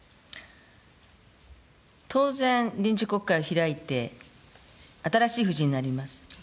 当然、臨時国会を開いて、新しい布陣になります。